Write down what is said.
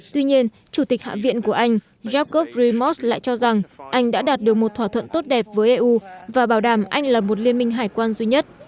tuy nhiên chủ tịch hạ viện của anh jacob remos lại cho rằng anh đã đạt được một thỏa thuận tốt đẹp với eu và bảo đảm anh là một liên minh hải quan duy nhất